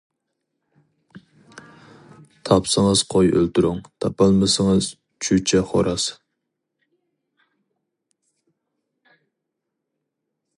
تاپسىڭىز قوي ئۆلتۈرۈڭ، تاپالمىسىڭىز چۆچە خوراز.